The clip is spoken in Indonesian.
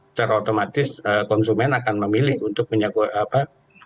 secara otomatis konsumen akan memilih untuk minyak goreng apa